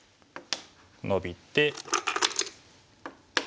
ノビて。